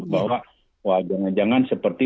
bahwa jangan jangan seperti